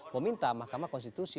meminta mahkamah konstitusi